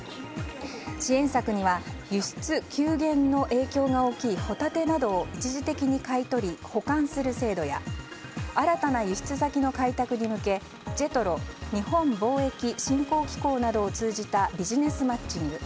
支援策には、輸出急減の影響が大きいホタテなどを一時的に買い取り保管する制度や新たな輸出先の開拓に向けＪＥＴＲＯ・日本貿易振興機構などを通じたビジネスマッチング。